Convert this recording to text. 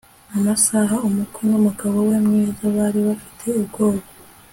amasaha umukwe numugabo we mwiza bari bafite ubwoba